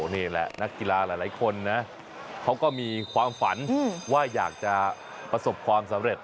นี่แหละนักกีฬาหลายคนนะเขาก็มีความฝันว่าอยากจะประสบความสำเร็จ